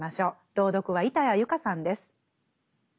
朗読は板谷由夏さんです。